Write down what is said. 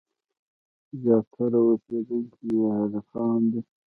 زیاتره اوسېدونکي یې عربان دي.